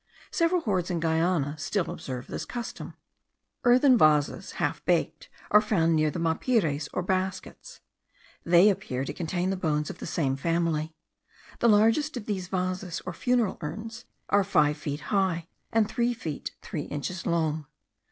Several hordes in Guiana still observe this custom. Earthen vases half baked are found near the mapires or baskets. They appear to contain the bones of the same family. The largest of these vases, or funeral urns, are five feet high, and three feet three inches long.